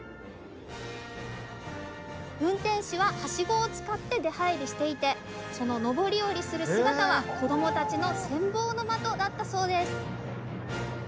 運転士はハシゴを使って出はいりしていてその上り下りする姿は子どもたちの羨望の的だったそうです。